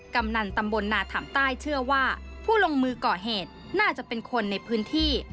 กำนันตำบลนาถามใต้เชื่อว่าผู้ลงมือก่อเหตุน่าจะเป็นคนในพื้นที่